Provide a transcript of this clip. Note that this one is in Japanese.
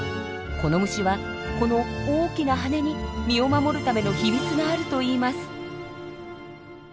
この虫はこの大きな羽に身を守るための秘密があると言います。